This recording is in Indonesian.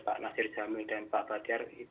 pak nasir jamil dan pak badar